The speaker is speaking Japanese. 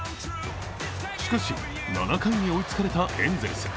しかし、７回に追いつかれたエンゼルス。